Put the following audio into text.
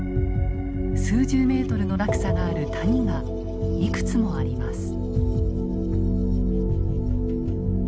数十メートルの落差がある谷がいくつもあります。